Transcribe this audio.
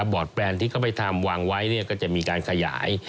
อร์ดแปลนที่เขาไปทำวางไว้ก็จะมีการขยาย